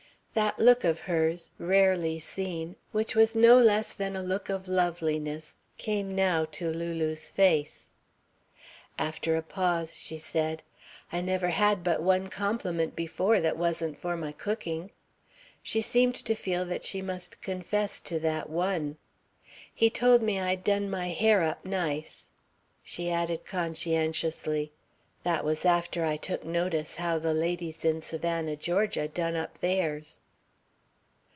That look of hers, rarely seen, which was no less than a look of loveliness, came now to Lulu's face. After a pause she said: "I never had but one compliment before that wasn't for my cooking." She seemed to feel that she must confess to that one. "He told me I done my hair up nice." She added conscientiously: "That was after I took notice how the ladies in Savannah, Georgia, done up theirs."